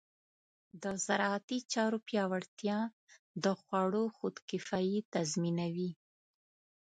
د زراعتي چارو پیاوړتیا د خوړو خودکفایي تضمینوي.